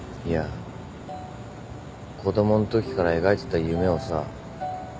いや子供んときから描いてた夢をさ